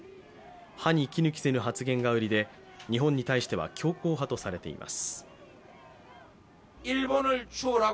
歯に衣着せぬ発言が売りで日本に対しては強硬派とされています。